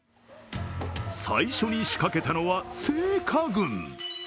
最初に仕掛けたのは青果軍。